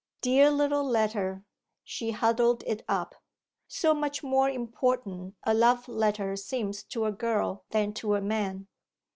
Dear little letter; she huddled it up. So much more important a love letter seems to a girl than to a man.